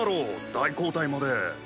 大交替まで。